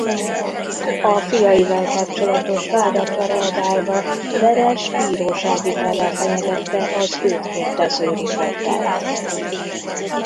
A fiaival kapcsolatos vádakra reagálva Veres bírósági perrel fenyegette az őt kérdező riportert.